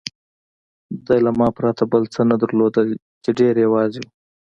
ده له ما پرته بل څه نه درلودل، چې ډېر یوازې و.